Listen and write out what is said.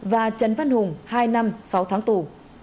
và trấn văn hùng hai năm sáu tháng tù